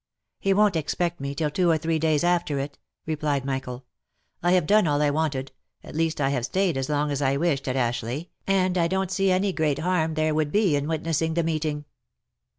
" He won't expect me, till two or three days after it," replied Michael ;*' I have done all I wanted — at least I have stayed as long as I wished at Ashleigh, and I don't see any great harm there would be in witnessing; the meeting